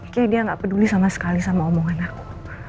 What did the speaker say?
kayaknya dia nggak peduli sama sekali sama omongan aku